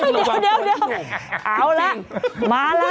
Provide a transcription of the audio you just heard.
เอาละมาละ